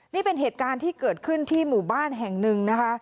นี่เป็นเหตุการณ์ที่เกิดขึ้นที่หมู่บ้านแห่งหนึ่งนะคะ